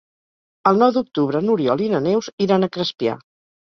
El nou d'octubre n'Oriol i na Neus iran a Crespià.